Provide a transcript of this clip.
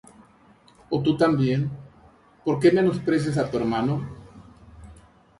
ó tú también, ¿por qué menosprecias á tu hermano?